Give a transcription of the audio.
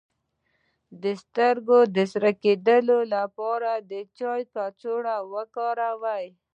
د سترګو د سره کیدو لپاره د چای کڅوړه وکاروئ